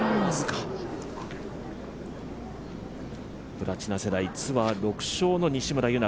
プラチナ世代、ツアー６勝の西村優菜。